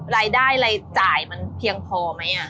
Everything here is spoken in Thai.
รายได้รายจ่ายมันเพียงพอไหม